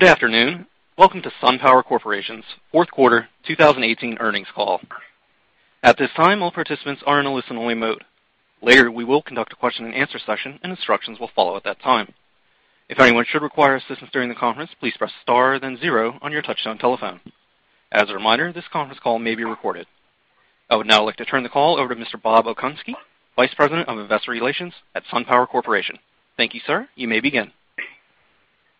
Good afternoon. Welcome to SunPower Corporation's fourth quarter 2018 earnings call. At this time, all participants are in a listen-only mode. Later, we will conduct a question and answer session, and instructions will follow at that time. If anyone should require assistance during the conference, please press star then zero on your touch-tone telephone. As a reminder, this conference call may be recorded. I would now like to turn the call over to Mr. Bob Okunski, Vice President of Investor Relations at SunPower Corporation. Thank you, sir. You may begin.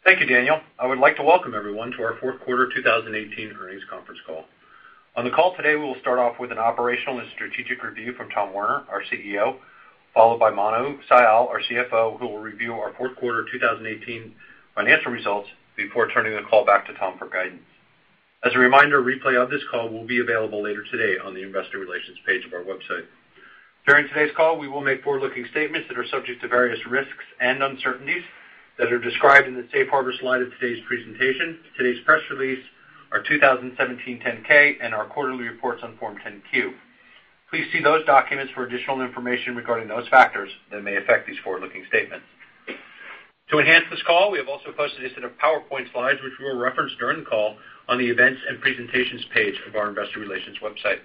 Thank you, Daniel. I would like to welcome everyone to our fourth quarter 2018 earnings conference call. On the call today, we will start off with an operational and strategic review from Tom Werner, our CEO, followed by Manu Sial, our CFO, who will review our fourth quarter 2018 financial results before turning the call back to Tom for guidance. As a reminder, a replay of this call will be available later today on the investor relations page of our website. During today's call, we will make forward-looking statements that are subject to various risks and uncertainties that are described in the safe harbor slide of today's presentation, today's press release, our 2017 10-K, and our quarterly reports on Form 10-Q. Please see those documents for additional information regarding those factors that may affect these forward-looking statements. To enhance this call, we have also posted a set of PowerPoint slides, which we will reference during the call on the Events and Presentations page of our investor relations website.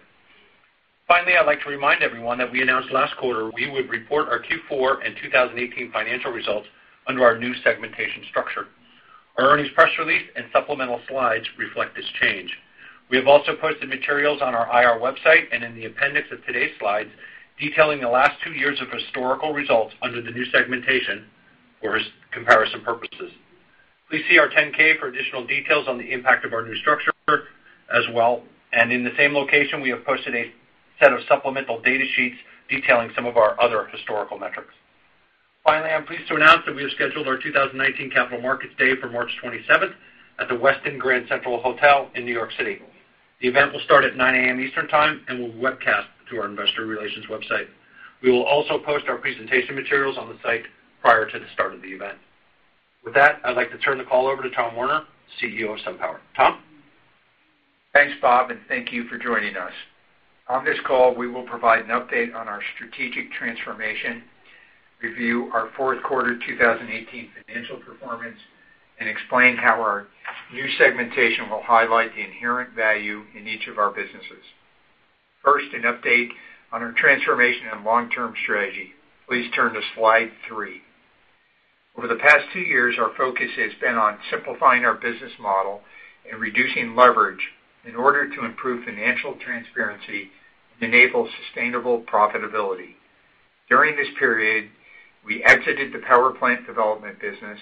Finally, I'd like to remind everyone that we announced last quarter we would report our Q4 and 2018 financial results under our new segmentation structure. Our earnings press release and supplemental slides reflect this change. We have also posted materials on our IR website and in the appendix of today's slides, detailing the last two years of historical results under the new segmentation for comparison purposes. Please see our 10-K for additional details on the impact of our new structure as well. In the same location, we have posted a set of supplemental data sheets detailing some of our other historical metrics. Finally, I'm pleased to announce that we have scheduled our 2019 Capital Markets Day for March 27th at The Westin New York Grand Central in New York City. The event will start at 9:00 A.M. Eastern Time and will webcast to our investor relations website. We will also post our presentation materials on the site prior to the start of the event. With that, I'd like to turn the call over to Tom Werner, CEO of SunPower. Tom? Thanks, Bob, and thank you for joining us. On this call, we will provide an update on our strategic transformation, review our fourth quarter 2018 financial performance, and explain how our new segmentation will highlight the inherent value in each of our businesses. First, an update on our transformation and long-term strategy. Please turn to Slide three. Over the past two years, our focus has been on simplifying our business model and reducing leverage in order to improve financial transparency and enable sustainable profitability. During this period, we exited the power plant development business,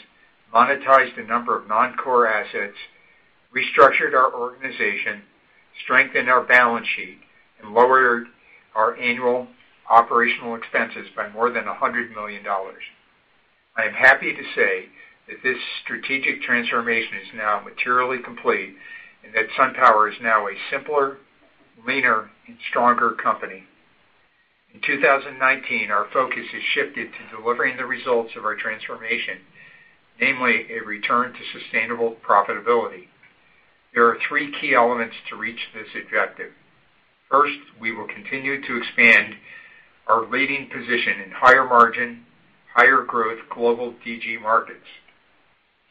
monetized a number of non-core assets, restructured our organization, strengthened our balance sheet, and lowered our annual operational expenses by more than $100 million. I am happy to say that this strategic transformation is now materially complete and that SunPower is now a simpler, leaner, and stronger company. In 2019, our focus has shifted to delivering the results of our transformation, namely a return to sustainable profitability. There are three key elements to reach this objective. First, we will continue to expand our leading position in higher-margin, higher-growth global DG markets.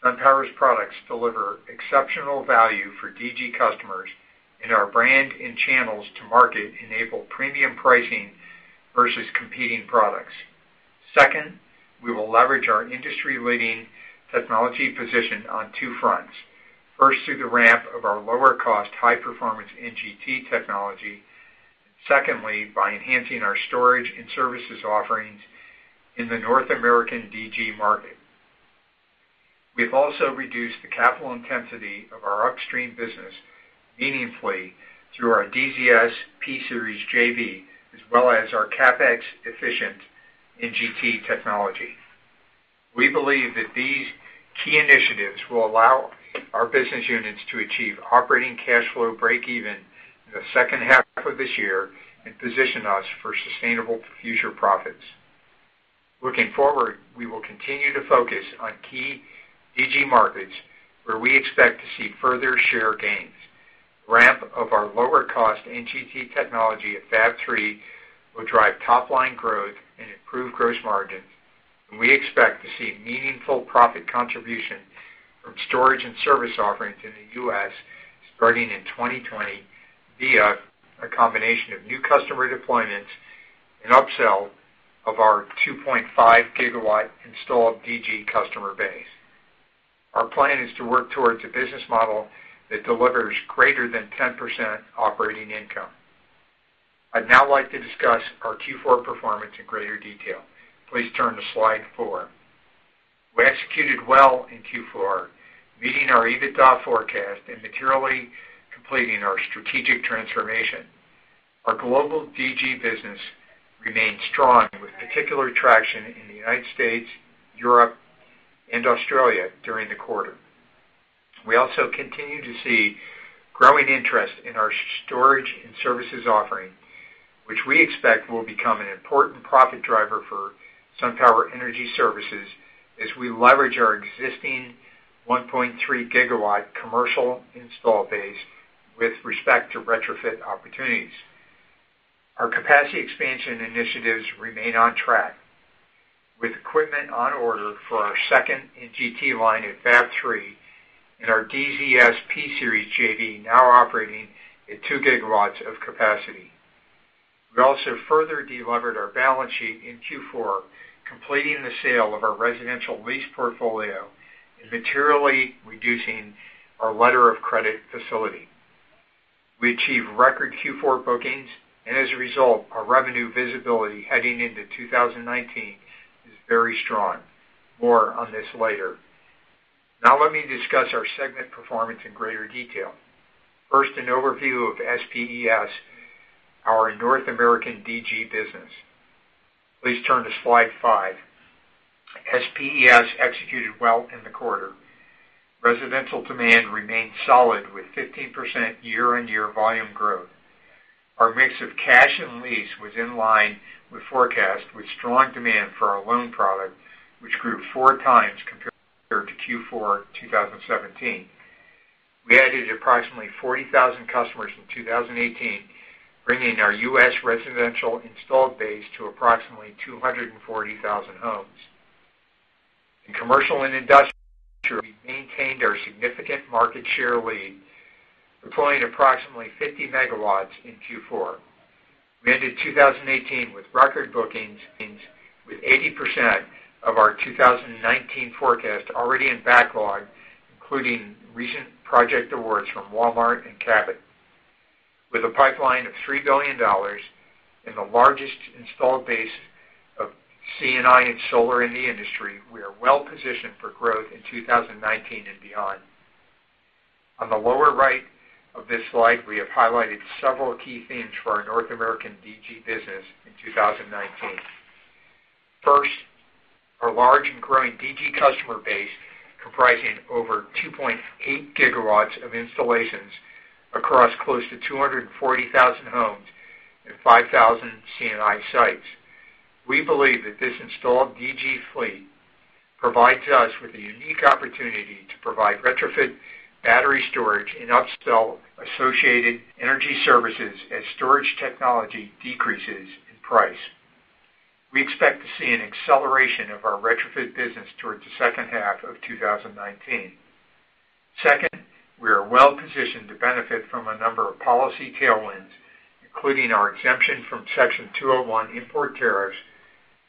SunPower's products deliver exceptional value for DG customers, and our brand and channels to market-enable premium pricing versus competing products. Second, we will leverage our industry-leading technology position on two fronts. First, through the ramp of our lower-cost, high-performance NGT technology. Secondly, by enhancing our storage and services offerings in the North American DG market. We've also reduced the capital intensity of our upstream business meaningfully through our DZS P-Series JV, as well as our CapEx-efficient NGT technology. We believe that these key initiatives will allow our business units to achieve operating cash flow break-even in the second half of this year and position us for sustainable future profits. Looking forward, we will continue to focus on key DG markets where we expect to see further share gains. Ramp of our lower-cost NGT technology at Fab 3 will drive top-line growth and improve gross margins, and we expect to see meaningful profit contribution from storage and service offerings in the U.S. starting in 2020 via a combination of new customer deployments and upsell of our 2.5 GW installed DG customer base. Our plan is to work towards a business model that delivers greater than 10% operating income. I'd now like to discuss our Q4 performance in greater detail. Please turn to Slide four. We executed well in Q4, meeting our EBITDA forecast and materially completing our strategic transformation. Our global DG business remained strong, with particular traction in the United States, Europe, and Australia during the quarter. We also continue to see growing interest in our storage and services offering, which we expect will become an important profit driver for SunPower Energy Services as we leverage our existing 1.3 GW commercial install base with respect to retrofit opportunities. Our capacity expansion initiatives remain on track, with equipment on order for our second NGT line at Fab 3 and our DZS P-Series JV now operating at 2 GW of capacity. We also further delevered our balance sheet in Q4, completing the sale of our residential lease portfolio and materially reducing our letter of credit facility. We achieved record Q4 bookings, and as a result, our revenue visibility heading into 2019 is very strong. More on this later. Now let me discuss our segment performance in greater detail. First, an overview of SPES, our North American DG business. Please turn to slide five. SPES executed well in the quarter. Residential demand remained solid with 15% year-over-year volume growth. Our mix of cash and lease was in line with forecast, with strong demand for our loan product, which grew four times compared to Q4 2017. We added approximately 40,000 customers in 2018, bringing our U.S. residential installed base to approximately 240,000 homes. In commercial and industrial, we maintained our significant market share lead, deploying approximately 50 MW in Q4. We ended 2018 with record bookings, with 80% of our 2019 forecast already in backlog, including recent project awards from Walmart and Cabot. With a pipeline of $3 billion and the largest installed base of C&I and solar in the industry, we are well-positioned for growth in 2019 and beyond. On the lower right of this slide, we have highlighted several key themes for our North American DG business in 2019. First, our large and growing DG customer base, comprising over 2.8 GW of installations across close to 240,000 homes and 5,000 C&I sites. We believe that this installed DG fleet provides us with a unique opportunity to provide retrofit battery storage and upsell associated energy services as storage technology decreases in price. We expect to see an acceleration of our retrofit business towards the second half of 2019. Second, we are well-positioned to benefit from a number of policy tailwinds, including our exemption from Section 201 import tariffs,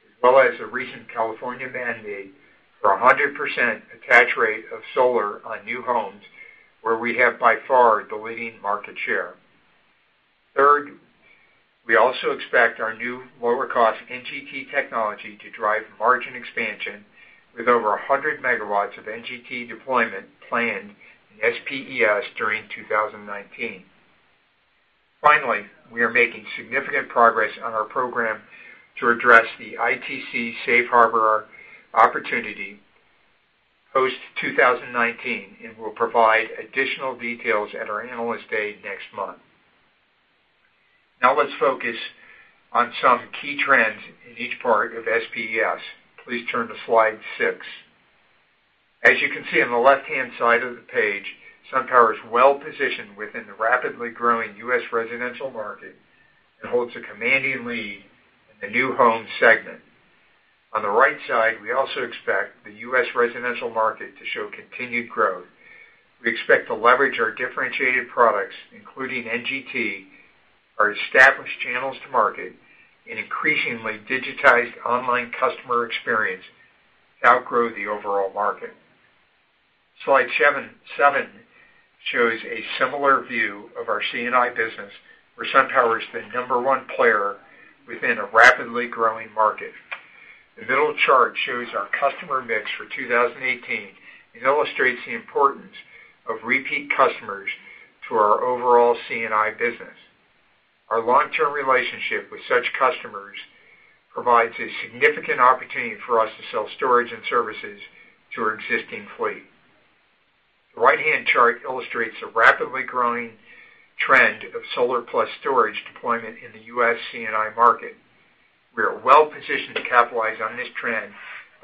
as well as the recent California mandate for 100% attach rate of solar on new homes, where we have by far the leading market share. Third, we also expect our new lower-cost NGT technology to drive margin expansion with over 100 MW of NGT deployment planned in SPES during 2019. Finally, we are making significant progress on our program to address the ITC safe harbor opportunity post-2019 and will provide additional details at our Analyst Day next month. Now let's focus on some key trends in each part of SPES. Please turn to slide six. As you can see on the left-hand side of the page, SunPower is well-positioned within the rapidly growing U.S. residential market and holds a commanding lead in the new home segment. On the right side, we also expect the U.S. residential market to show continued growth. We expect to leverage our differentiated products, including NGT, our established channels to market, and increasingly digitized online customer experience to outgrow the overall market. Slide seven shows a similar view of our C&I business, where SunPower is the number one player within a rapidly growing market. The middle chart shows our customer mix for 2018 and illustrates the importance of repeat customers to our overall C&I business. Our long-term relationship with such customers provides a significant opportunity for us to sell storage and services to our existing fleet. The right-hand chart illustrates a rapidly growing trend of solar-plus storage deployment in the U.S. C&I market. We are well-positioned to capitalize on this trend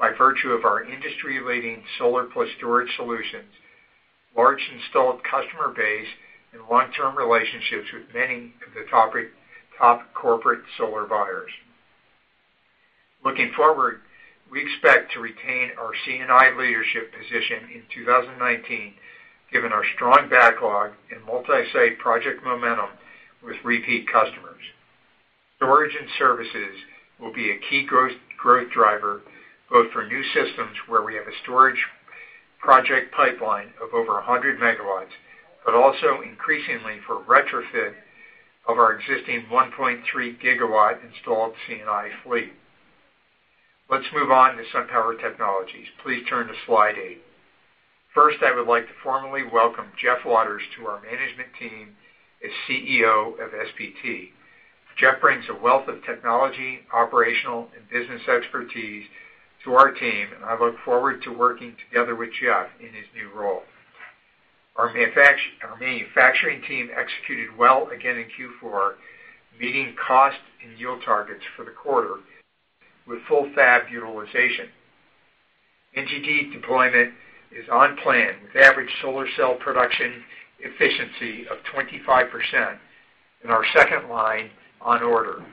by virtue of our industry-leading solar-plus storage solutions, large installed customer base, and long-term relationships with many of the top corporate solar buyers. Looking forward, we expect to retain our C&I leadership position in 2019, given our strong backlog and multi-site project momentum with repeat customers. Storage and services will be a key growth driver, both for new systems where we have a storage project pipeline of over 100 MW, but also increasingly for retrofit of our existing 1.3 GW installed C&I fleet. Let's move on to SunPower Technologies. Please turn to slide eight. First, I would like to formally welcome Jeff Waters to our management team as CEO of SPT. Jeff brings a wealth of technology, operational, and business expertise to our team, and I look forward to working together with Jeff in his new role. Our manufacturing team executed well again in Q4, meeting cost and yield targets for the quarter with full fab utilization. NGT deployment is on plan with average solar cell production efficiency of 25% and our second line on order.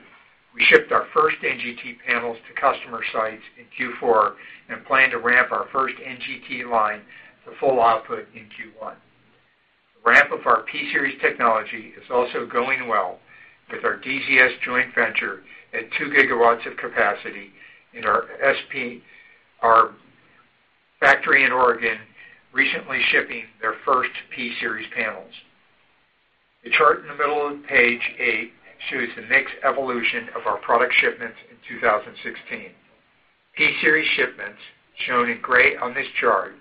We shipped our first NGT panels to customer sites in Q4 and plan to ramp our first NGT line to full output in Q1. The ramp of our P-Series technology is also going well with our DZS joint venture at 2 GW of capacity in our factory in Oregon, recently shipping their first P-Series panels. The chart in the middle of page eight shows the mix evolution of our product shipments in 2016. P-Series shipments, shown in gray on this chart,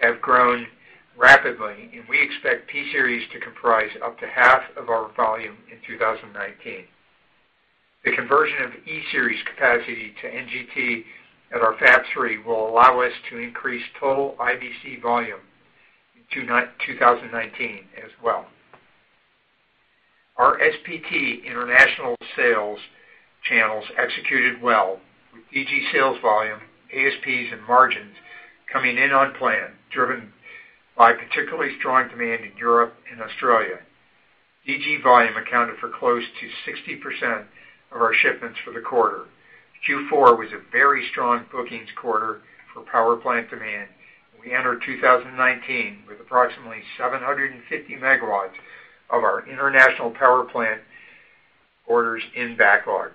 have grown rapidly, and we expect P-Series to comprise up to half of our volume in 2019. The conversion of E-Series capacity to NGT at our Fab 3 will allow us to increase total IBC volume in 2019 as well. Our SPT international sales channels executed well, with DG sales volume, ASPs, and margins coming in on plan, driven by particularly strong demand in Europe and Australia. DG volume accounted for close to 60% of our shipments for the quarter. Q4 was a very strong bookings quarter for power plant demand. We entered 2019 with approximately 750 MW of our international power plant orders in backlog.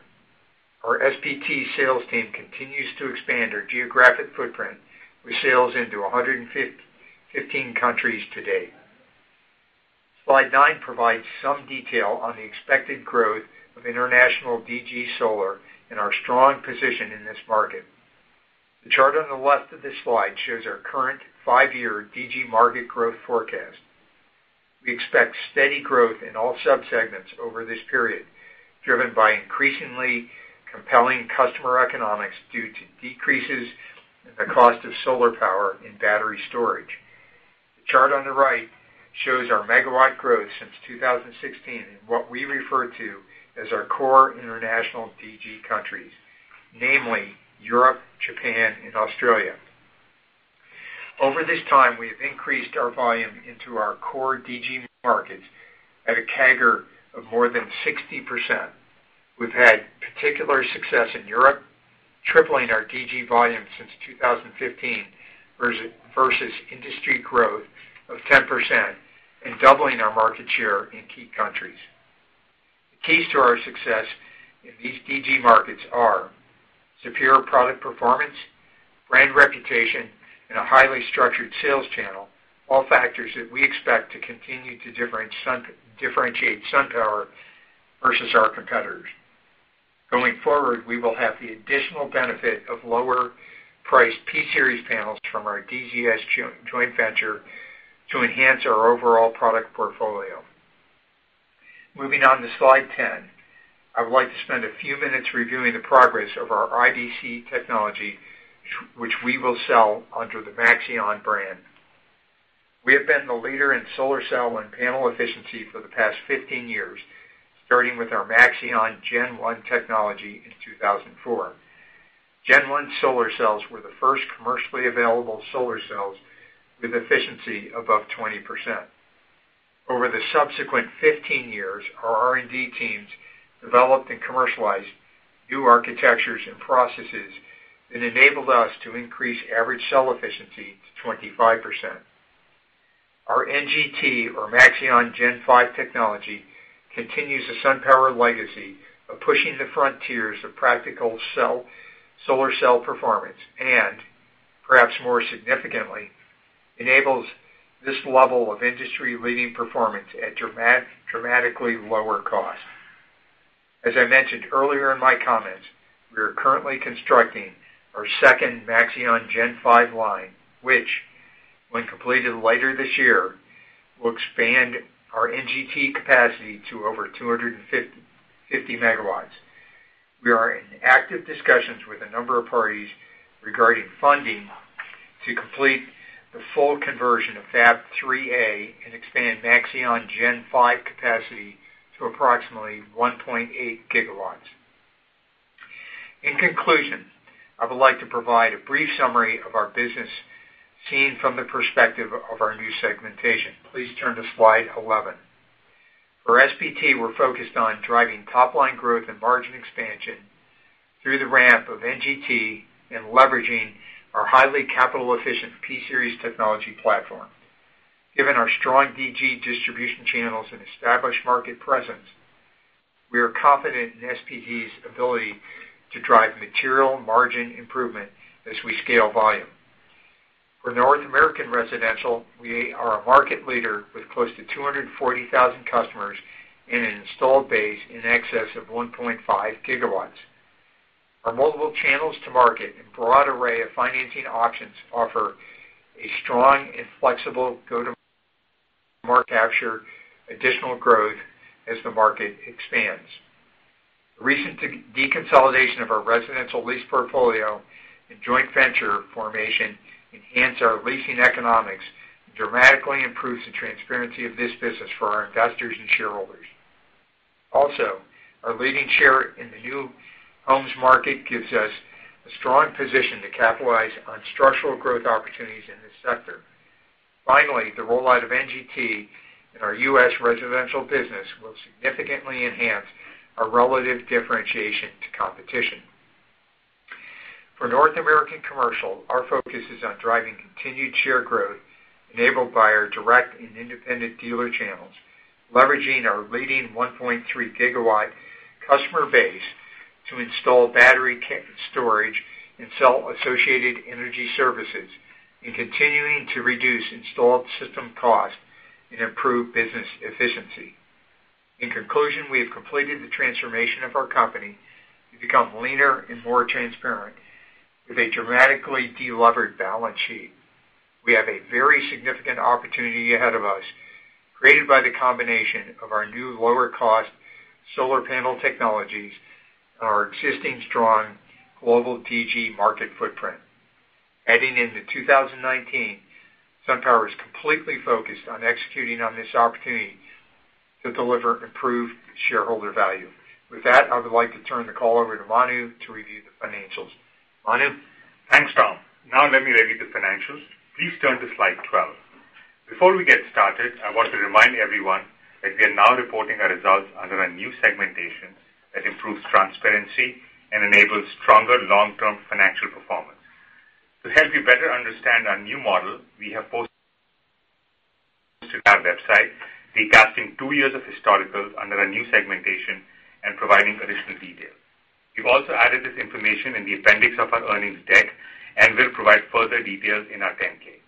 Our SPT sales team continues to expand our geographic footprint with sales into 115 countries to date. Slide nine provides some detail on the expected growth of international DG Solar and our strong position in this market. The chart on the left of this slide shows our current five-year DG market growth forecast. We expect steady growth in all sub-segments over this period, driven by increasingly compelling customer economics due to decreases in the cost of solar power and battery storage. The chart on the right shows our MW growth since 2016 and what we refer to as our core international DG countries, namely Europe, Japan, and Australia. Over this time, we have increased our volume into our core DG markets at a CAGR of more than 60%. We've had particular success in Europe, tripling our DG volume since 2015 versus industry growth of 10% and doubling our market share in key countries. The keys to our success in these DG markets are superior product performance, brand reputation, and a highly structured sales channel, all factors that we expect to continue to differentiate SunPower versus our competitors. Going forward, we will have the additional benefit of lower-priced P-Series panels from our DZS joint venture to enhance our overall product portfolio. Moving on to slide 10, I would like to spend a few minutes reviewing the progress of our IBC technology, which we will sell under the Maxeon brand. We have been the leader in solar cell and panel efficiency for the past 15 years, starting with our Maxeon Gen 1 technology in 2004. Gen 1 solar cells were the first commercially available solar cells with efficiency above 20%. Over the subsequent 15 years, our R&D teams developed and commercialized new architectures and processes that enabled us to increase average cell efficiency to 25%. Our NGT or Maxeon Gen 5 technology continues the SunPower legacy of pushing the frontiers of practical solar cell performance and, perhaps more significantly, enables this level of industry-leading performance at dramatically lower cost. As I mentioned earlier in my comments, we are currently constructing our second Maxeon Gen 5 line, which, when completed later this year, will expand our NGT capacity to over 250 MW. We are in active discussions with a number of parties regarding funding to complete the full conversion of Fab 3A and expand Maxeon Gen 5 capacity to approximately 1.8 GW. In conclusion, I would like to provide a brief summary of our business seen from the perspective of our new segmentation. Please turn to slide 11. For SPT, we are focused on driving top-line growth and margin expansion through the ramp of NGT and leveraging our highly capital-efficient P-Series technology platform. Given our strong DG distribution channels and established market presence, we are confident in SPT's ability to drive material margin improvement as we scale volume. For North American Residential, we are a market leader with close to 240,000 customers and an installed base in excess of 1.5 GW. Our multiple channels to market and broad array of financing options offer a strong and flexible go-to-market to capture additional growth as the market expands. The recent deconsolidation of our residential lease portfolio and joint venture formation enhance our leasing economics and dramatically improves the transparency of this business for our investors and shareholders. Also, our leading share in the new homes market gives us a strong position to capitalize on structural growth opportunities in this sector. Finally, the rollout of NGT in our U.S. residential business will significantly enhance our relative differentiation to competition. For North American Commercial, our focus is on driving continued share growth enabled by our direct and independent dealer channels, leveraging our leading 1.3 GW customer base to install battery storage and sell associated energy services, and continuing to reduce installed system cost and improve business efficiency. In conclusion, we have completed the transformation of our company to become leaner and more transparent with a dramatically de-levered balance sheet. We have a very significant opportunity ahead of us, created by the combination of our new lower-cost solar panel technologies and our existing strong global DG market footprint. Heading into 2019, SunPower is completely focused on executing on this opportunity to deliver improved shareholder value. With that, I would like to turn the call over to Manu to review the financials. Manu? Thanks, Tom. Let me review the financials. Please turn to slide 12. Before we get started, I want to remind everyone that we are now reporting our results under a new segmentation that improves transparency and enables stronger long-term financial performance. To help you better understand our new model, we have posted to our website, recasting 2 years of historical under our new segmentation and providing additional detail. We've also added this information in the appendix of our earnings deck and will provide further details in our 10-K.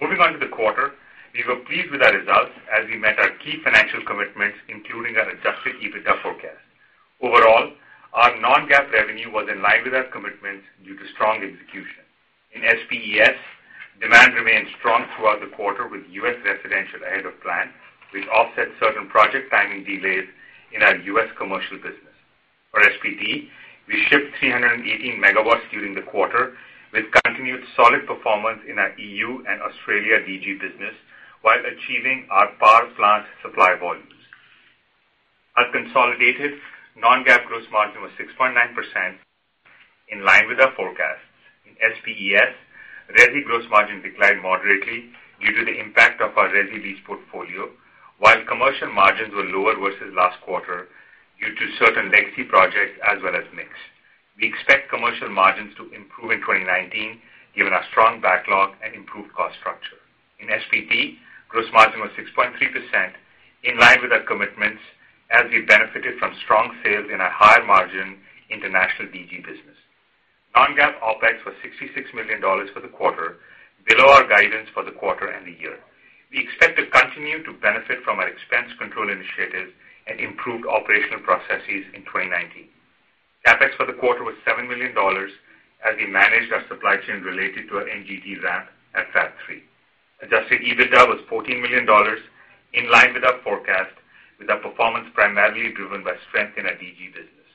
Moving on to the quarter, we were pleased with our results as we met our key financial commitments, including our adjusted EBITDA forecast. Overall, our non-GAAP revenue was in line with our commitments due to strong execution. In SPES, demand remained strong throughout the quarter, with U.S. residential ahead of plan, which offset certain project timing delays in our U.S. commercial business. For SPT, we shipped 318 /MW during the quarter, with continued solid performance in our EU and Australia DG business while achieving our power plant supply volumes. Our consolidated non-GAAP gross margin was 6.9%, in line with our forecast. In SPES, resi gross margin declined moderately due to the impact of our resi lease portfolio, while commercial margins were lower versus last quarter due to certain legacy projects as well as mix. We expect commercial margins to improve in 2019, given our strong backlog and improved cost structure. In SPT, gross margin was 6.3%, in line with our commitments as we benefited from strong sales in our higher-margin international DG business. Non-GAAP OpEx was $66 million for the quarter, below our guidance for the quarter and the year. We expect to continue to benefit from our expense control initiatives and improved operational processes in 2019. CapEx for the quarter was $7 million as we managed our supply chain related to our NGT ramp at Fab 3. Adjusted EBITDA was $14 million, in line with our forecast, with our performance primarily driven by strength in our DG business.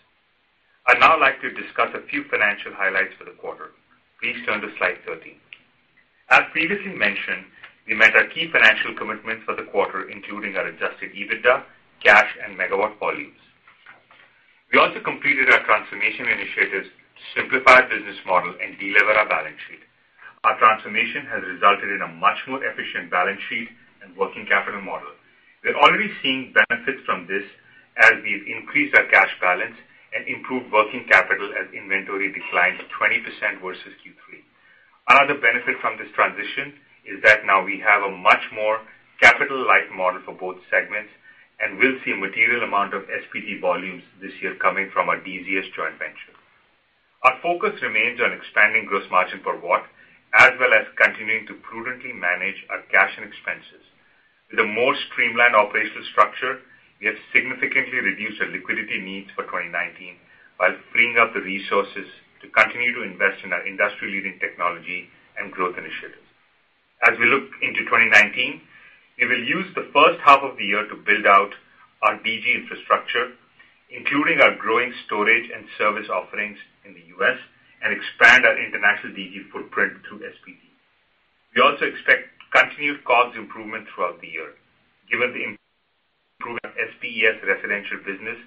I'd now like to discuss a few financial highlights for the quarter. Please turn to slide 13. As previously mentioned, we met our key financial commitments for the quarter, including our adjusted EBITDA, cash, and MW volumes. We also completed our transformation initiatives to simplify our business model and de-lever our balance sheet. Our transformation has resulted in a much more efficient balance sheet and working capital model. We're already seeing benefits from this as we've increased our cash balance and improved working capital as inventory declines 20% versus Q3. Another benefit from this transition is that now we have a much more capital-light model for both segments and will see a material amount of SPT volumes this year coming from our DZS joint venture. Our focus remains on expanding gross margin per watt, as well as continuing to prudently manage our cash and expenses. With a more streamlined operational structure, we have significantly reduced our liquidity needs for 2019 while freeing up the resources to continue to invest in our industry-leading technology and growth initiatives. As we look into 2019, we will use the first half of the year to build out our DG infrastructure, including our growing storage and service offerings in the U.S., and expand our international DG footprint through SPT. We also expect continued cost improvement throughout the year. Given the improved SPES residential business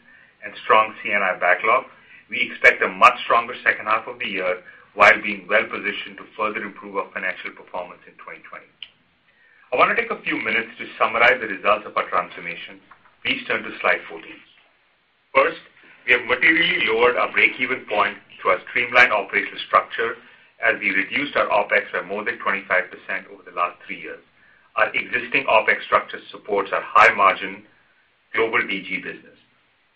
and strong C&I backlog, we expect a much stronger second half of the year while being well-positioned to further improve our financial performance in 2020. I want to take a few minutes to summarize the results of our transformation. Please turn to slide 14. First, we have materially lowered our break-even point through our streamlined operational structure as we reduced our OpEx by more than 25% over the last three years. Our existing OpEx structure supports our high-margin global DG business.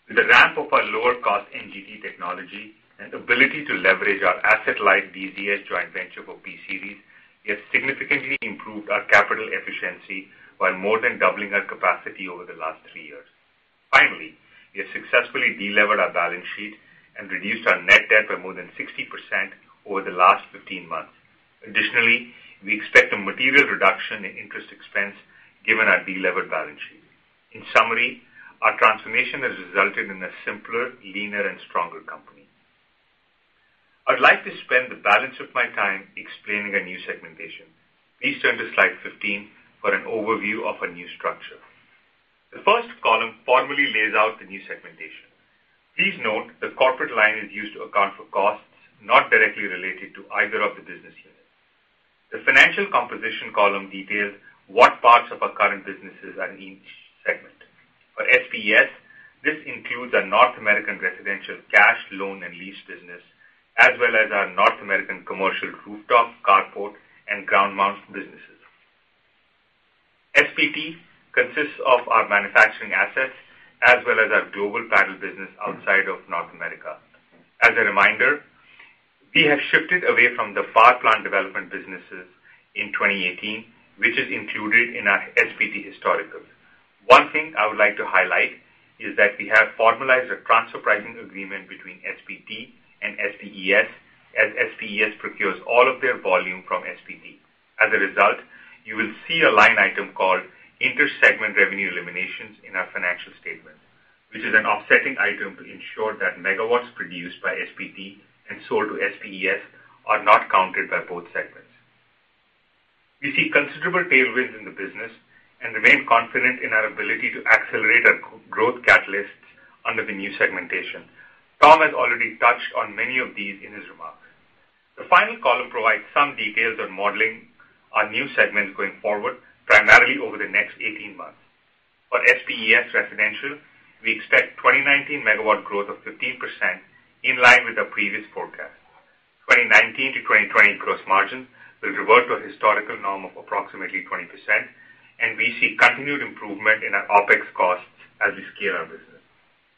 With the ramp of our lower-cost NGT technology and ability to leverage our asset-light DZS joint venture for PCDs, we have significantly improved our capital efficiency while more than doubling our capacity over the last three years. Finally, we have successfully de-levered our balance sheet and reduced our net debt by more than 60% over the last 15 months. Additionally, we expect a material reduction in interest expense given our de-levered balance sheet. In summary, our transformation has resulted in a simpler, leaner, and stronger company. I'd like to spend the balance of my time explaining our new segmentation. Please turn to slide 15 for an overview of our new structure. The first column formally lays out the new segmentation. Please note the corporate line is used to account for costs not directly related to either of the business units. The financial composition column details what parts of our current businesses are in each segment. For SPES, this includes our North American Residential cash loan and lease business, as well as our North American Commercial rooftop, carport, and ground mount businesses. SPT consists of our manufacturing assets as well as our global panel business outside of North America. As a reminder, we have shifted away from the power plant development businesses in 2018, which is included in our SPT historical. One thing I would like to highlight is that we have formalized a transfer pricing agreement between SPT and SPES, as SPES procures all of their volume from SPT. As a result, you will see a line item called inter-segment revenue eliminations in our financial statement, which is an offsetting item to ensure that MW produced by SPT and sold to SPES are not counted by both segments. We see considerable tailwinds in the business and remain confident in our ability to accelerate our growth catalysts under the new segmentation. Tom has already touched on many of these in his remarks. The final column provides some details on modeling our new segments going forward, primarily over the next 18 months. For SPES residential, we expect 2019 MW growth of 15%, in line with our previous forecast. 2019 to 2020 gross margin will revert to a historical norm of approximately 20%, and we see continued improvement in our OpEx costs as we scale our business.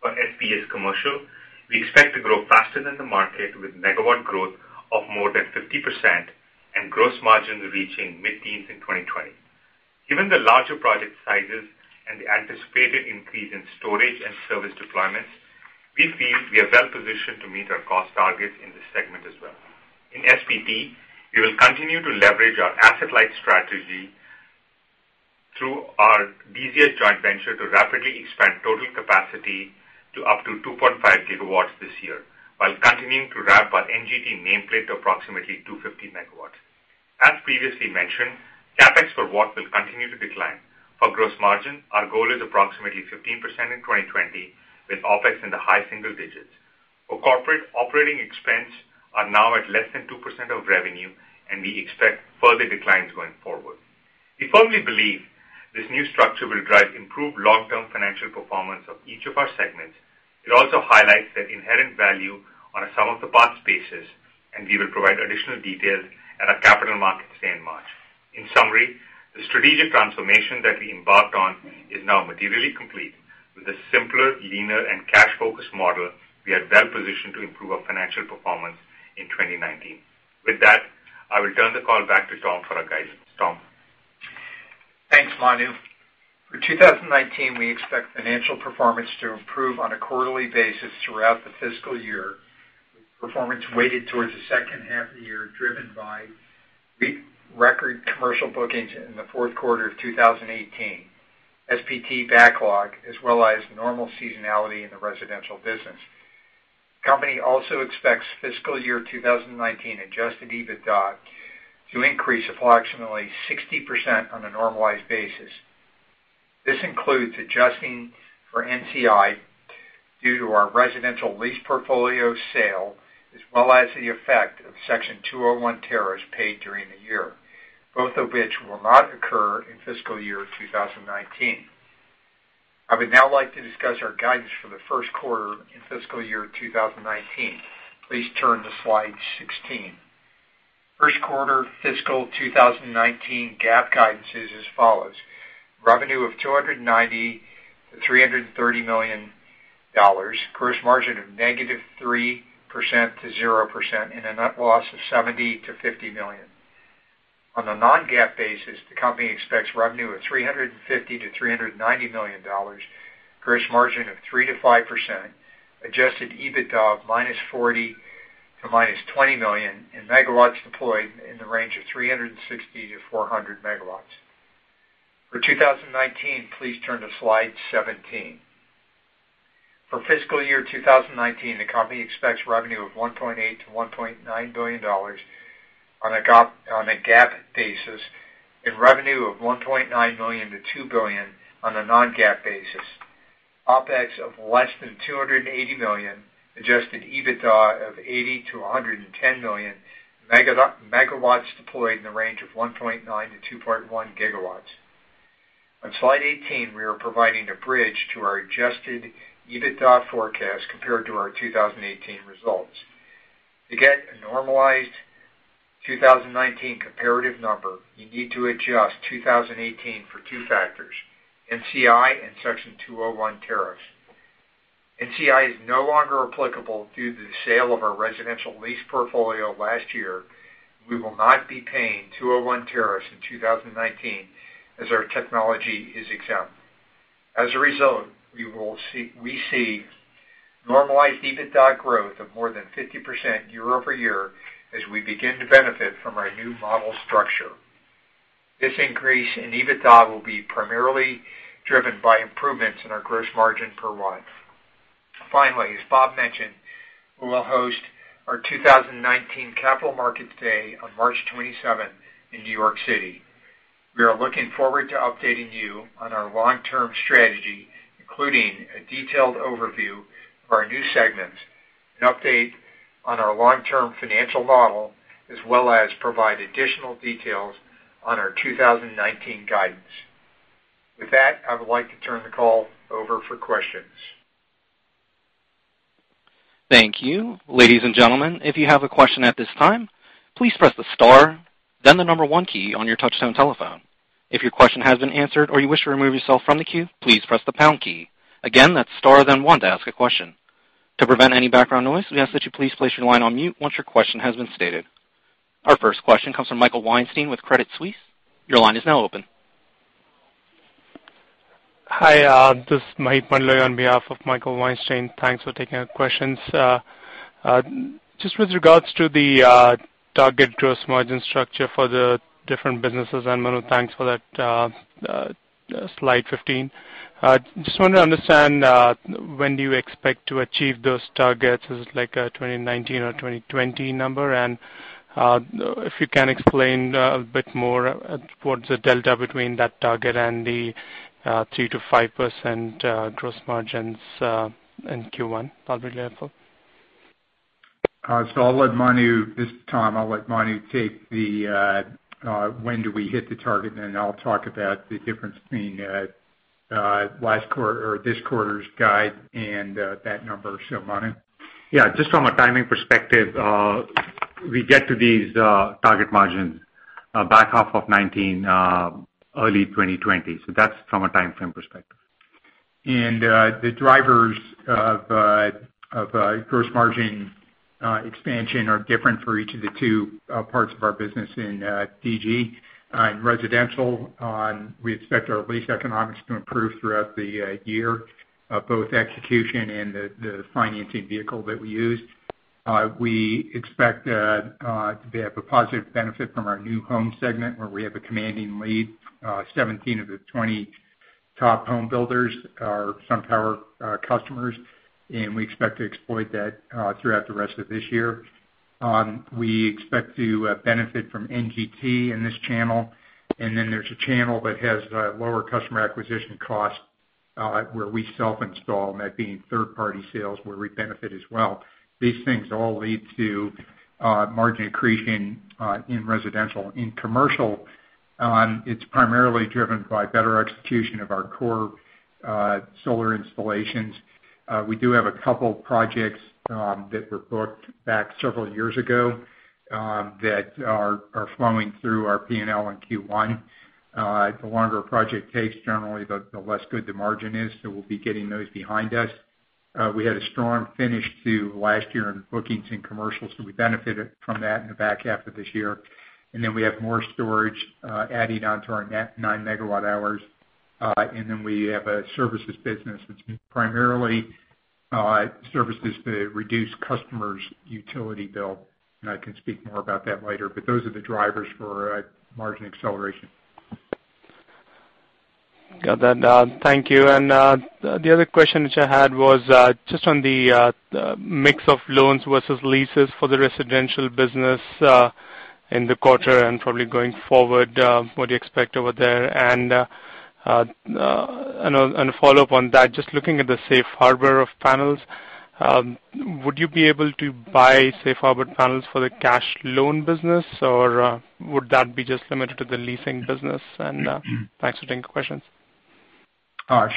For SPES commercial, we expect to grow faster than the market, with MW growth of more than 50% and gross margin reaching mid-teens in 2020. Given the larger project sizes and the anticipated increase in storage and service deployments, we feel we are well-positioned to meet our cost targets in this segment as well. In SPT, we will continue to leverage our asset-light strategy through our DZS joint venture to rapidly expand total capacity to up to 2.5 GW this year while continuing to ramp our NGT nameplate to approximately 250 MW. As previously mentioned, CapEx for watt will continue to decline. For gross margin, our goal is approximately 15% in 2020, with OpEx in the high single digits. For corporate operating expense are now at less than 2% of revenue, and we expect further declines going forward. We firmly believe this new structure will drive improved long-term financial performance of each of our segments. It also highlights that inherent value on a sum-of-the-parts basis, and we will provide additional details at our capital markets day in March. In summary, the strategic transformation that we embarked on is now materially complete. With a simpler, leaner, and cash-focused model, we are well-positioned to improve our financial performance in 2019. With that, I will turn the call back to Tom for our guidance. Tom? Thanks, Manu. For 2019, we expect financial performance to improve on a quarterly basis throughout the fiscal year, with performance weighted towards the second half of the year, driven by record commercial bookings in the fourth quarter of 2018, SPT backlog, as well as normal seasonality in the residential business. The company also expects fiscal year 2019 adjusted EBITDA to increase approximately 60% on a normalized basis. This includes adjusting for NCI due to our residential lease portfolio sale, as well as the effect of Section 201 tariffs paid during the year, both of which will not occur in fiscal year 2019. I would now like to discuss our guidance for the first quarter in fiscal year 2019. Please turn to slide 16. First quarter fiscal 2019 GAAP guidance is as follows: revenue of $290 million-$330 million, gross margin of -3%-0%, and a net loss of -$70 million to -$50 million. On a non-GAAP basis, the company expects revenue of $350 million-$390 million, gross margin of 3%-5%, adjusted EBITDA of -$40 million to -$20 million, and MW deployed in the range of 360-400 MW. For 2019, please turn to slide 17. For fiscal year 2019, the company expects revenue of $1.8 billion-$1.9 billion on a GAAP basis and revenue of $1.9 million to $2 billion on a non-GAAP basis. OpEx of less than $280 million, adjusted EBITDA of $80 million-$110 million, MW deployed in the range of 1.9-2.1 GW. On Slide 18, we are providing a bridge to our adjusted EBITDA forecast compared to our 2018 results. To get a normalized 2019 comparative number, you need to adjust 2018 for two factors, NCI and Section 201 tariffs. NCI is no longer applicable due to the sale of our residential lease portfolio last year. We will not be paying 201 tariffs in 2019 as our technology is exempt. As a result, we see normalized EBITDA growth of more than 50% year-over-year as we begin to benefit from our new model structure. This increase in EBITDA will be primarily driven by improvements in our gross margin per watt. Finally, as Bob mentioned, we will host our 2019 Capital Markets Day on March 27th in New York City. We are looking forward to updating you on our long-term strategy, including a detailed overview of our new segments, an update on our long-term financial model, as well as provide additional details on our 2019 guidance. I would like to turn the call over for questions. Thank you. Ladies and gentlemen, if you have a question at this time, please press the star, then the number one key on your touchtone telephone. If your question has been answered or you wish to remove yourself from the queue, please press the pound key. Again, that's star, then one to ask a question. To prevent any background noise, we ask that you please place your line on mute once your question has been stated. Our first question comes from Michael Weinstein with Credit Suisse. Your line is now open. Hi, this is Maheep Mandloi on behalf of Michael Weinstein. Thanks for taking our questions. With regards to the target gross margin structure for the different businesses, Manu, thanks for that Slide 15. I just want to understand, when do you expect to achieve those targets? Is it like a 2019 or 2020 number? If you can explain a bit more what's the delta between that target and the 3%-5% gross margins in Q1 probably therefore. This is Tom. I'll let Manu take the when do we hit the target, I'll talk about the difference between this quarter's guide and that number. Manu. Just from a timing perspective, we get to these target margins back half of 2019, early 2020. That's from a timeframe perspective. The drivers of gross margin expansion are different for each of the two parts of our business in DG. In residential, we expect our lease economics to improve throughout the year, both execution and the financing vehicle that we use. We expect to have a positive benefit from our new home segment where we have a commanding lead. 17 of the 20 top home builders are SunPower customers, and we expect to exploit that throughout the rest of this year. We expect to benefit from NGT in this channel. There's a channel that has lower customer acquisition costs, where we self-install, and that being third-party sales where we benefit as well. These things all lead to margin accretion in residential. In commercial, it's primarily driven by better execution of our core solar installations. We do have a couple projects that were booked back several years ago that are flowing through our P&L in Q1. The longer a project takes, generally the less good the margin is, so we'll be getting those behind us. We had a strong finish to last year in bookings in commercial, so we benefited from that in the back half of this year. We have more storage adding on to our net 9 MW hours. We have a services business that's primarily services to reduce customers' utility bill, and I can speak more about that later. Those are the drivers for margin acceleration. Got that. Thank you. The other question which I had was just on the mix of loans versus leases for the residential business in the quarter and probably going forward, what do you expect over there? A follow-up on that, just looking at the safe harbor of panels, would you be able to buy safe harbor panels for the cash loan business, or would that be just limited to the leasing business? Thanks for taking the questions.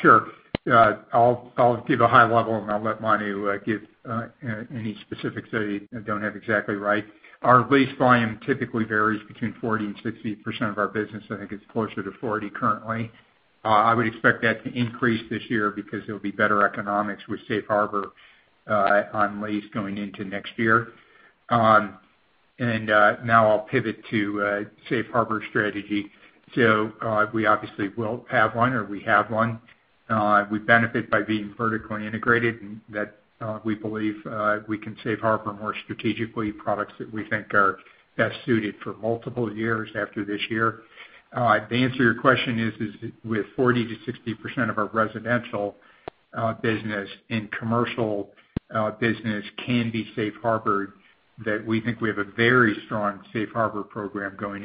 Sure. I'll give a high level, and I'll let Manu give any specifics that I don't have exactly right. Our lease volume typically varies between 40%-60% of our business. I think it's closer to 40% currently. I would expect that to increase this year because there'll be better economics with safe harbor on lease going into next year. Now I'll pivot to safe harbor strategy. We obviously will have one or we have one. We benefit by being vertically integrated, and we believe we can safe harbor more strategically products that we think are best suited for multiple years after this year. The answer to your question is, with 40%-60% of our residential business and commercial business can be safe harbored, that we think we have a very strong safe harbor program going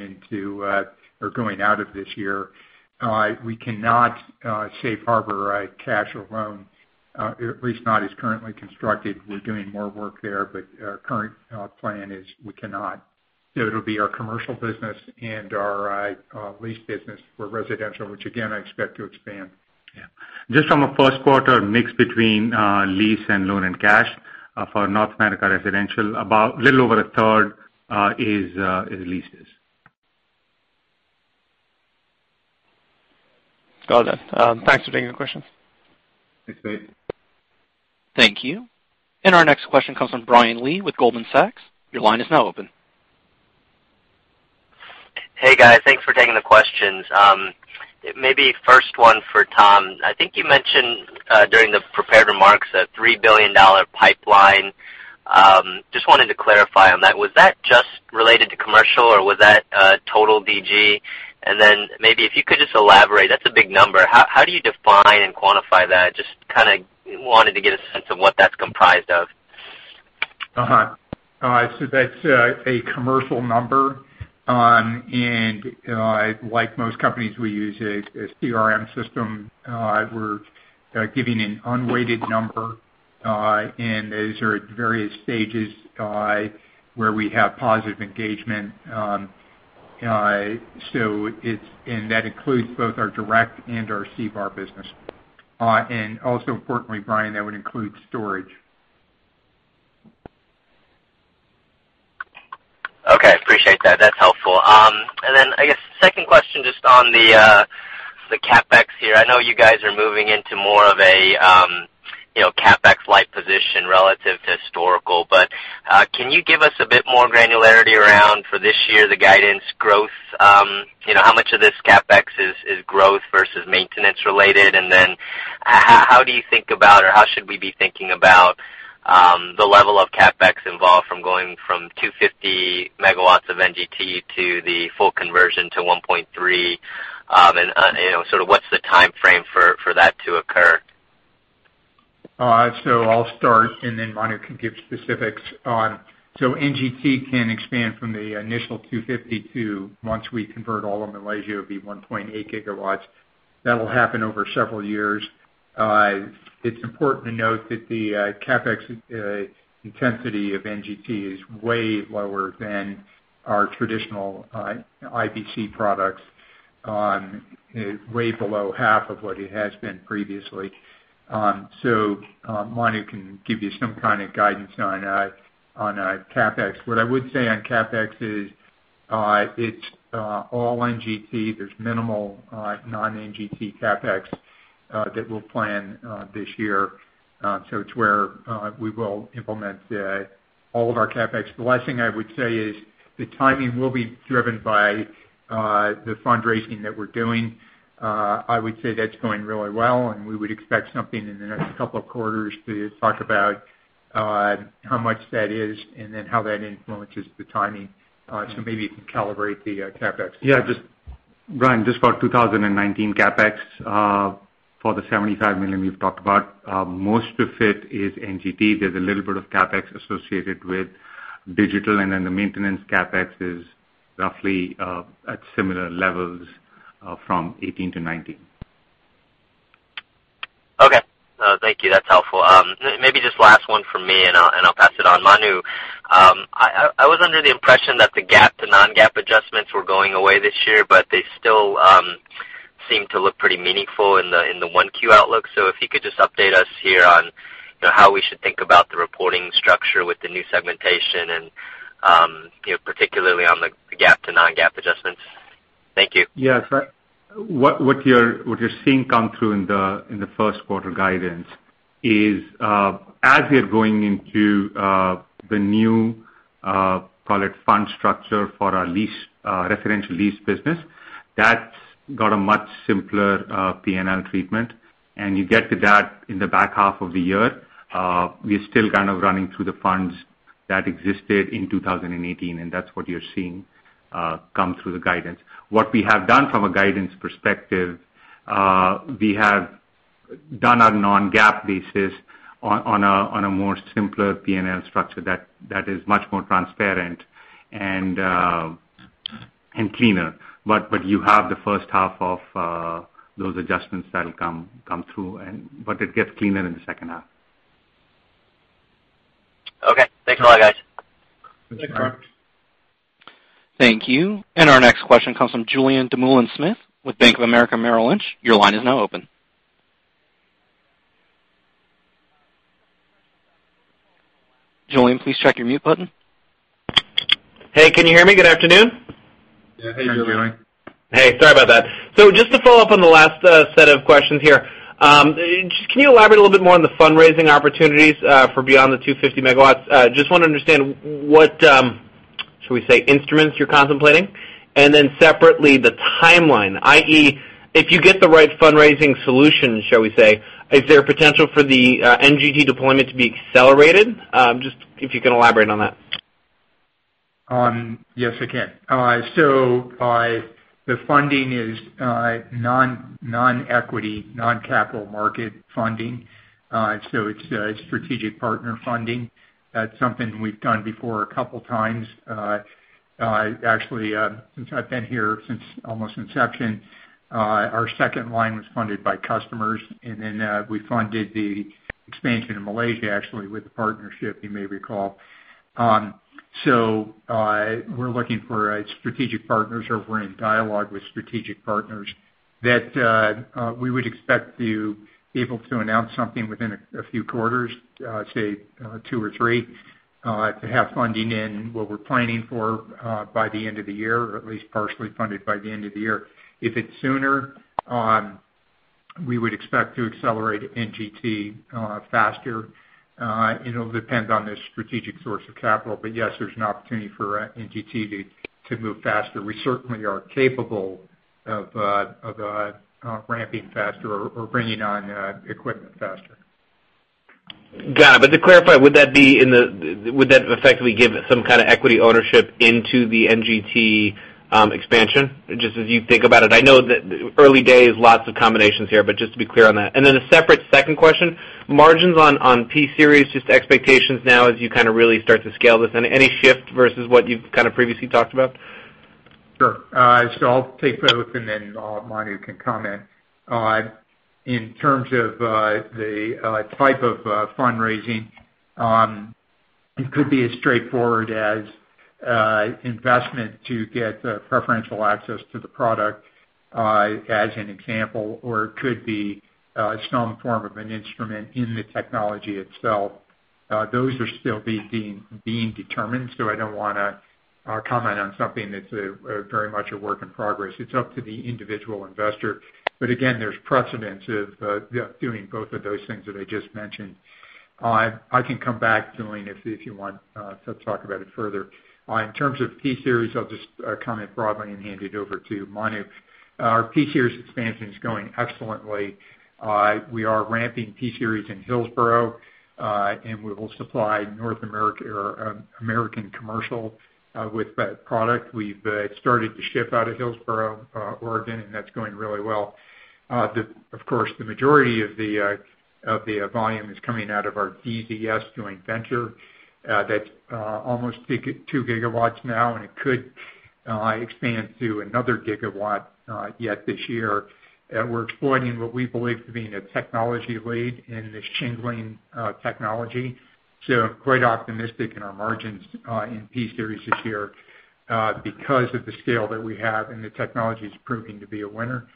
out of this year. We cannot safe harbor a cash or loan, at least not as currently constructed. We're doing more work there, but our current plan is we cannot. It'll be our commercial business and our lease business for residential, which again, I expect to expand. Yeah. Just from a first quarter mix between lease and loan and cash for North American Residential, about a little over a third is leases. Got that. Thanks for taking the questions. Thanks, Mahe. Thank you. Our next question comes from Brian Lee with Goldman Sachs. Your line is now open. Hey, guys. Thanks for taking the questions. Maybe first one for Tom. I think you mentioned during the prepared remarks a $3 billion pipeline. Just wanted to clarify on that. Was that just related to commercial or was that total DG? Then maybe if you could just elaborate. That's a big number. How do you define and quantify that? Just wanted to get a sense of what that's comprised of. That's a commercial number. Like most companies, we use a CRM system. We're giving an unweighted number, and those are at various stages where we have positive engagement. That includes both our direct and our CVaR business. Also importantly, Brian, that would include storage. Appreciate that. That's helpful. I guess second question just on the CapEx here. I know you guys are moving into more of a CapEx-like position relative to historical, but can you give us a bit more granularity around for this year, the guidance growth? How much of this CapEx is growth versus maintenance related? How do you think about or how should we be thinking about the level of CapEx involved from going from 250 MW of NGT to the full conversion to 1.3, and what's the timeframe for that to occur? I'll start, and then Manu can give specifics on. NGT can expand from the initial 250 to once we convert all of Malaysia, it'll be 1.8 GW. That'll happen over several years. It's important to note that the CapEx intensity of NGT is way lower than our traditional IBC products. Way below half of what it has been previously. Manu can give you some kind of guidance on CapEx. What I would say on CapEx is, it's all NGT. There's minimal non-NGT CapEx that we'll plan this year. It's where we will implement all of our CapEx. The last thing I would say is the timing will be driven by the fundraising that we're doing. I would say that's going really well, and we would expect something in the next couple of quarters to talk about how much that is and then how that influences the timing. Maybe you can calibrate the CapEx. Yeah, Brian, just for 2019 CapEx, for the $75 million we've talked about, most of it is NGT. There's a little bit of CapEx associated with digital, and then the maintenance CapEx is roughly at similar levels from 2018 to 2019. Okay. Thank you. That's helpful. Maybe just last one from me, and I'll pass it on. Manu, I was under the impression that the GAAP to non-GAAP adjustments were going away this year, but they still seem to look pretty meaningful in the 1Q outlook. If you could just update us here on how we should think about the reporting structure with the new segmentation and particularly on the GAAP to non-GAAP adjustments. Thank you. Yes. What you're seeing come through in the first quarter guidance is, as we are going into the new, call it fund structure for our residential lease business, that's got a much simpler P&L treatment, and you get to that in the back half of the year. We are still kind of running through the funds that existed in 2018, and that's what you're seeing come through the guidance. What we have done from a guidance perspective, we have done a non-GAAP basis on a more simpler P&L structure that is much more transparent and cleaner. You have the first half of those adjustments that'll come through. It gets cleaner in the second half. Okay. Thanks a lot, guys. Thanks, Brian. Thank you. Our next question comes from Julien Dumoulin-Smith with Bank of America Merrill Lynch. Your line is now open. Julien, please check your mute button. Hey, can you hear me? Good afternoon. Yeah. Hey, Julien. Hey, Julien. Hey, sorry about that. Just to follow up on the last set of questions here. Can you elaborate a little bit more on the fundraising opportunities for beyond the 250 MW? Just want to understand what, should we say, instruments you're contemplating? Separately, the timeline, i.e., if you get the right fundraising solution, shall we say, is there potential for the NGT deployment to be accelerated? Just if you can elaborate on that. Yes, I can. The funding is non-equity, non-capital market funding. It's strategic partner funding. That's something we've done before a couple times. Actually, since I've been here, since almost inception, our second line was funded by customers, we funded the expansion in Malaysia actually with a partnership, you may recall. We're looking for strategic partners, or we're in dialogue with strategic partners that we would expect to be able to announce something within a few quarters, say two or three, to have funding in what we're planning for by the end of the year, or at least partially funded by the end of the year. If it's sooner, we would expect to accelerate NGT faster. It'll depend on the strategic source of capital. Yes, there's an opportunity for NGT to move faster. We certainly are capable of ramping faster or bringing on equipment faster. Got it. To clarify, would that effectively give some kind of equity ownership into the NGT expansion, just as you think about it? I know that early days, lots of combinations here, but just to be clear on that. A separate second question, margins on P-Series, just expectations now as you really start to scale this, and any shift versus what you've kind of previously talked about? Sure. I'll take both and then Manu can comment. In terms of the type of fundraising, it could be as straightforward as investment to get preferential access to the product, as an example, or it could be some form of an instrument in the technology itself. Those are still being determined, so I don't want to comment on something that's very much a work in progress. It's up to the individual investor. Again, there's precedents of doing both of those things that I just mentioned. I can come back, Julien, if you want to talk about it further. In terms of P-Series, I'll just comment broadly and hand it over to Manu. Our P-Series expansion is going excellently. We are ramping P-Series in Hillsboro, and we will supply North American Commercial with that product. We've started to ship out of Hillsboro, Oregon. That's going really well. Of course, the majority of the volume is coming out of our DZS joint venture. That's almost 2 GW now, and it could expand to another 1 GW yet this year. We're exploiting what we believe to be a technology lead in this shingling technology. Quite optimistic in our margins in P-Series this year because of the scale that we have, and the technology is proving to be a winner.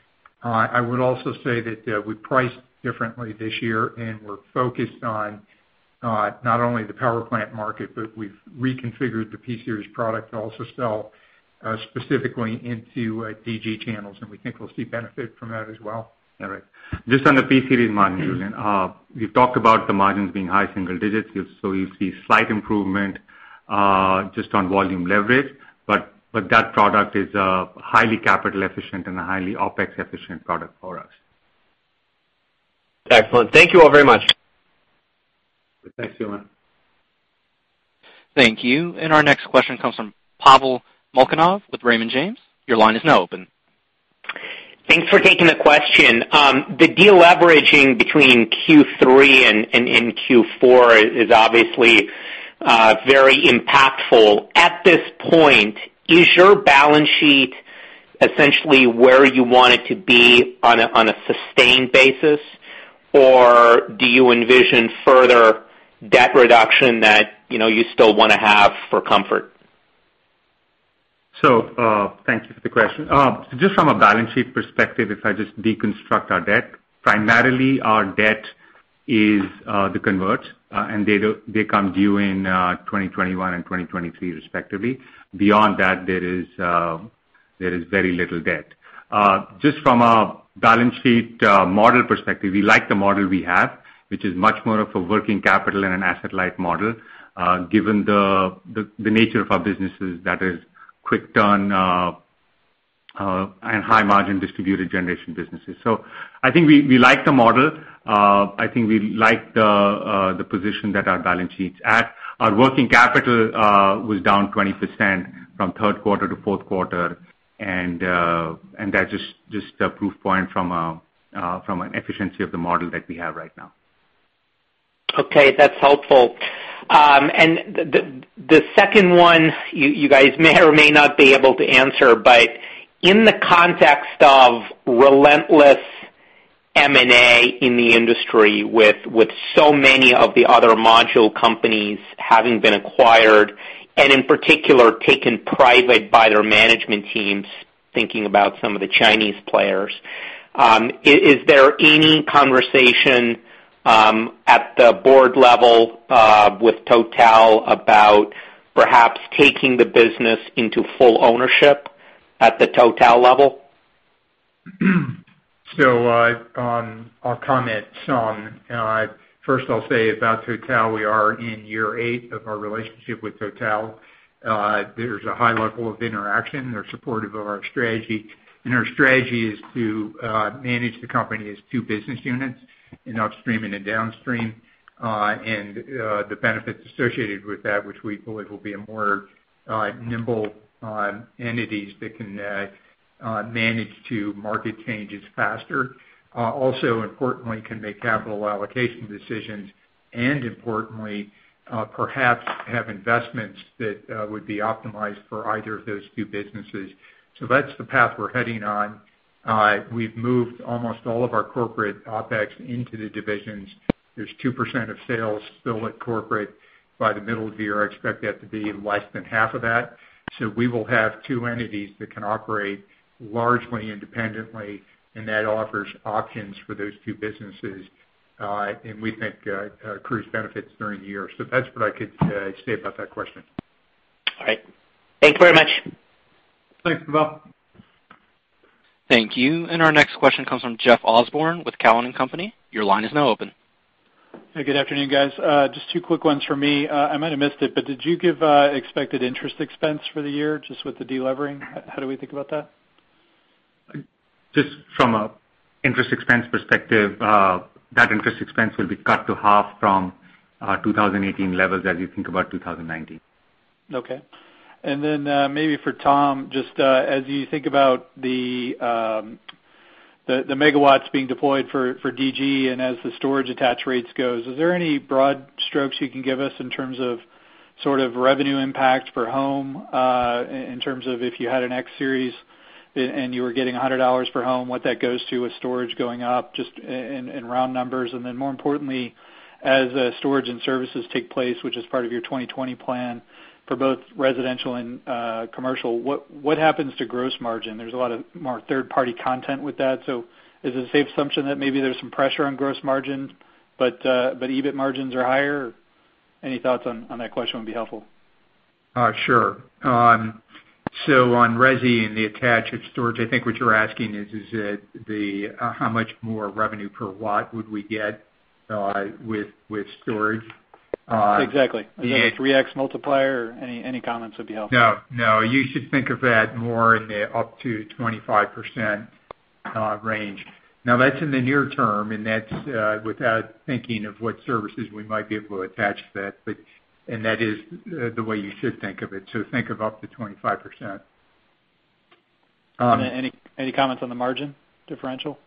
I would also say that we priced differently this year, and we're focused on not only the power plant market, but we've reconfigured the P-Series product to also sell specifically into DG channels. We think we'll see benefit from that as well. All right. Just on the P-Series margin, Julien. We've talked about the margins being high single digits. You see slight improvement, just on volume leverage. That product is a highly capital efficient and a highly OpEx efficient product for us. Excellent. Thank you all very much. Thanks, Julien. Thank you. Our next question comes from Pavel Molchanov with Raymond James. Your line is now open. Thanks for taking the question. The deleveraging between Q3 and in Q4 is obviously very impactful. At this point, is your balance sheet essentially where you want it to be on a sustained basis, or do you envision further debt reduction that you still want to have for comfort? Thank you for the question. Just from a balance sheet perspective, if I just deconstruct our debt, primarily our debt is the converts, and they come due in 2021 and 2023 respectively. Beyond that, there is very little debt. Just from a balance sheet model perspective, we like the model we have, which is much more of a working capital and an asset-light model, given the nature of our businesses that is quick turn, and high margin distributed generation businesses. I think we like the model. I think we like the position that our balance sheet's at. Our working capital was down 20% from third quarter to fourth quarter, and that's just a proof point from an efficiency of the model that we have right now. Okay. That's helpful. The second one you guys may or may not be able to answer, but in the context of relentless M&A in the industry with so many of the other module companies having been acquired, and in particular, taken private by their management teams, thinking about some of the Chinese players, is there any conversation at the board level with Total about perhaps taking the business into full ownership at the Total level? I'll comment some. First I'll say about Total, we are in year eight of our relationship with Total. There's a high level of interaction. They're supportive of our strategy, and our strategy is to manage the company as two business units in upstream and in downstream. The benefits associated with that, which we believe will be a more nimble entities that can manage to market changes faster. Also importantly, can make capital allocation decisions, and importantly, perhaps have investments that would be optimized for either of those two businesses. That's the path we're heading on. We've moved almost all of our corporate OpEx into the divisions. There's 2% of sales still at corporate. By the middle of the year, I expect that to be less than half of that. We will have two entities that can operate largely independently, and that offers options for those two businesses, and we think accrues benefits during the year. That's what I could say about that question. All right. Thank you very much. Thanks, Pavel. Thank you. Our next question comes from Jeff Osborne with Cowen and Company. Your line is now open. Good afternoon, guys. Just two quick ones for me. I might have missed it, but did you give expected interest expense for the year just with the de-levering? How do we think about that? Just from an interest expense perspective, that interest expense will be cut to half from our 2018 levels as you think about 2019. Okay. Maybe for Tom, just as you think about the MW being deployed for DG and as the storage attach rates goes, is there any broad strokes you can give us in terms of sort of revenue impact per home, in terms of if you had an X-Series and you were getting $100 per home, what that goes to with storage going up, just in round numbers. More importantly, as storage and services take place, which is part of your 2020 plan for both residential and commercial, what happens to gross margin? There's a lot of more third-party content with that. Is it a safe assumption that maybe there's some pressure on gross margin, but EBIT margins are higher? Any thoughts on that question would be helpful. Sure. On resi and the attached storage, I think what you're asking is how much more revenue per watt would we get with storage? Exactly. Is it a 3x multiplier? Any comments would be helpful. No. You should think of that more in the up to 25% range. That's in the near term, that's without thinking of what services we might be able to attach that is the way you should think of it. Think of up to 25%. Any comments on the margin differential?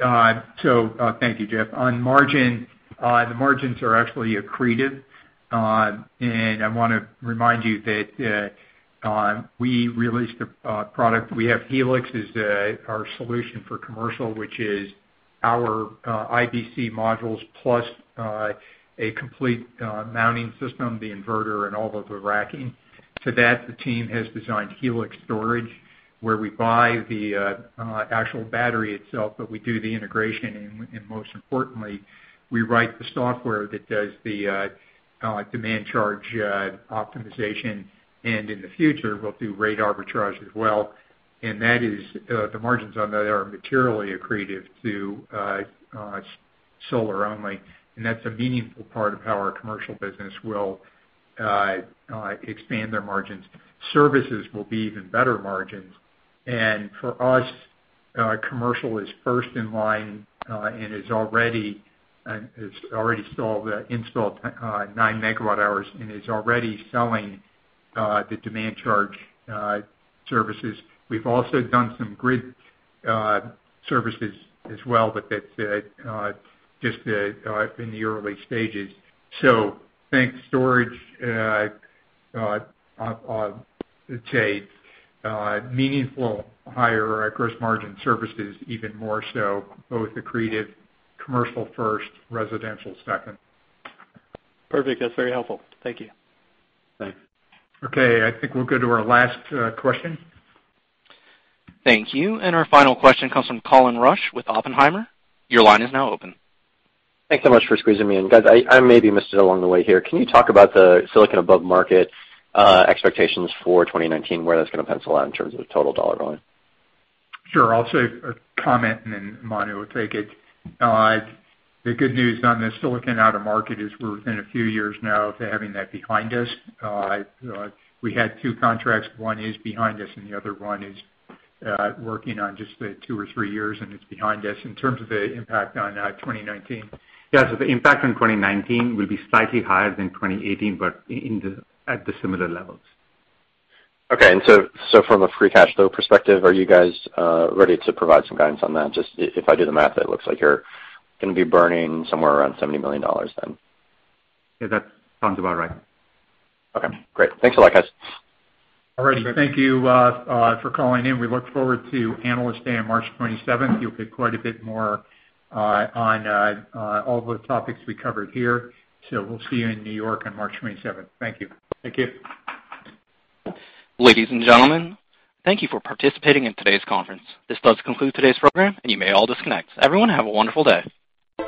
Thank you, Jeff. On margin, the margins are actually accreted. I want to remind you that we released a product. We have Helix as our solution for commercial, which is our IBC modules plus a complete mounting system, the inverter and all of the racking. To that, the team has designed Helix Storage, where we buy the actual battery itself, but we do the integration, and most importantly, we write the software that does the demand charge optimization. In the future, we'll do rate arbitrage as well. The margins on that are materially accretive to solar only, and that's a meaningful part of how our commercial business will expand their margins. Services will be even better margins. For us, commercial is first in line, and it's already installed nine MW hours and is already selling the demand charge services. We've also done some grid services as well, but that's just in the early stages. Think storage, I'd say meaningful higher gross margin, services even more so, both accretive commercial first, residential second. Perfect. That's very helpful. Thank you. Thanks. Okay. I think we'll go to our last question. Thank you. Our final question comes from Colin Rusch with Oppenheimer. Your line is now open. Thanks so much for squeezing me in. Guys, I maybe missed it along the way here. Can you talk about the silicon above-market expectations for 2019, where that's going to pencil out in terms of total dollar volume? Sure. I'll comment and then Manu will take it. The good news on the silicon out-of-market is we're within a few years now of having that behind us. We had two contracts. One is behind us, and the other one is working on just the two or three years, and it's behind us. In terms of the impact on 2019- Yes. The impact on 2019 will be slightly higher than 2018, but at the similar levels. Okay. From a free cash flow perspective, are you guys ready to provide some guidance on that? Just if I do the math, it looks like you're going to be burning somewhere around $70 million then. Yeah, that sounds about right. Okay, great. Thanks a lot, guys. All righty. Thank you for calling in. We look forward to Analyst Day on March 27th. You'll get quite a bit more on all the topics we covered here. We'll see you in New York on March 27th. Thank you. Thank you. Ladies and gentlemen, thank you for participating in today's conference. This does conclude today's program, and you may all disconnect. Everyone, have a wonderful day.